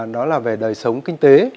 đó là về đời sống kinh tế